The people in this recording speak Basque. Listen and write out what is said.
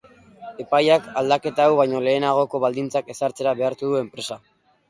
Epaiak aldaketa hau baino lehenagoko baldintzak ezartzera behartu du enpresa.